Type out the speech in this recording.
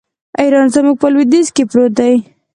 ایران زموږ په لوېدیځ کې پروت دی.